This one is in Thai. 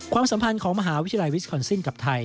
ความสัมพันธ์ของมหาวิทยาลัยวิสคอนซินกับไทย